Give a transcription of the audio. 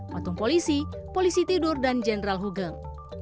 matung polisi polisi tidur dan general huggeng